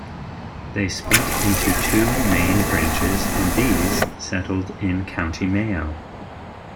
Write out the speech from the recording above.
They split into two main branches, and these settled in County Mayo.